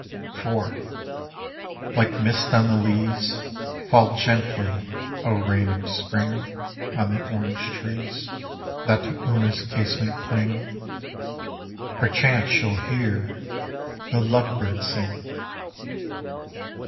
rv Like mist on the leas, Pall gently, oh rain of spring On the orange trees That to Urn* 1 s casemont cling Perchance she'll hear the love bird sing!